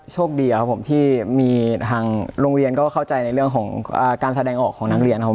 โชคดีครับผมที่มีทางโรงเรียนก็เข้าใจในเรื่องของการแสดงออกของนักเรียนครับ